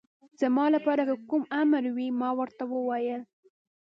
زما لپاره که کوم امر وي، ما ورته وویل.